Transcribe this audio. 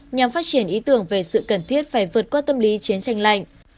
nhằm phát triển ý tưởng về sự cần thiết phải vượt qua tâm lý chiến tranh lạnh